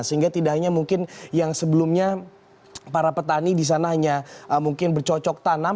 sehingga tidak hanya mungkin yang sebelumnya para petani di sana hanya mungkin bercocok tanam